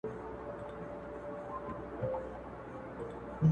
خير سجده به وکړم تاته، خير دی ستا به سم~